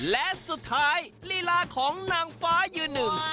และสุดท้ายลีลาของนางฟ้ายืนหนึ่ง